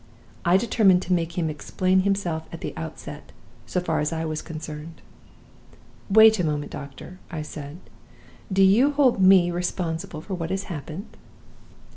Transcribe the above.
I determined to make him explain himself at the outset, so far as I was concerned. 'Wait a moment, doctor,' I said. 'Do you hold me responsible for what has happened?